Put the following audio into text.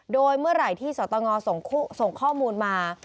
โดยเมื่อไหร่ที่สตงส่งข้อมูลมา